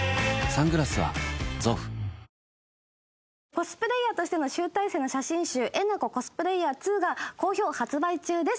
コスプレイヤーとしての集大成の写真集『えなこｃｏｓｐｌａｙｅｒ２』が好評発売中です！